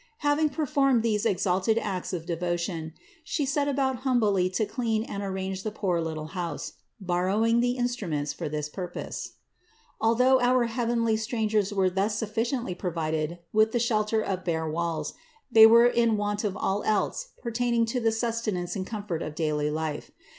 Having performed these exalted acts of devotion, She set about humbly to clean and arrange the poor little house, borrowing the instruments for this purpose. Although our heavenly strangers were thus sufficiently provided with the shelter of bare walls, they were in want of all else pertaining to the sustenance and comfort of daily life.